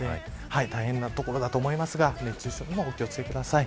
大変なところだと思いますが熱中症にもお気を付けください。